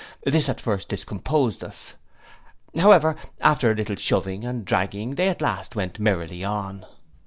This at first discomposed us: however, after a little shoving and dragging, they at last went merrily on.